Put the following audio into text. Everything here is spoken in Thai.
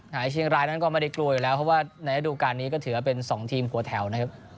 เชียงรายนั้นก็ไม่ได้กลัวอยู่แล้วเพราะว่าในระดูการนี้ก็ถือว่าเป็น๒ทีมหัวแถวนะครับ